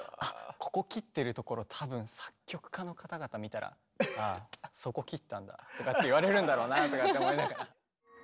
ここ切ってるところ多分作曲家の方々見たら「あそこ切ったんだ」とかって言われるんだろうなとかって思いながら。